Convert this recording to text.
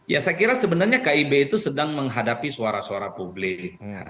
ya saya kira sebenarnya kib itu sedang menghadapi suara suara publik